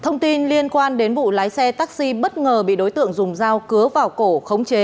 thông tin liên quan đến vụ lái xe taxi bất ngờ bị đối tượng dùng dao cứa vào cổ khống chế